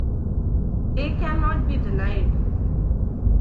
They cannot be denied.